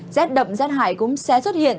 rết đậm rết hải cũng sẽ xuất hiện